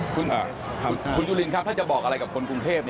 คุณจุลินครับถ้าจะบอกอะไรกับคนกรุงเทพ